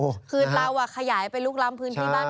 คือเราขยายไปลุกล้ำพื้นที่บ้าน